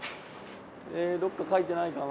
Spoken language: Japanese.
どっか書いてないかな。